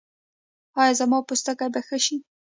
ایا زما پوټکی به ښه شي؟